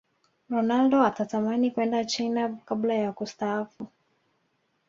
ronaldo atatamani kwenda china kabla ya kustaafu